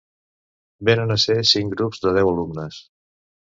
Venen a ser cinc grups de deu alumnes.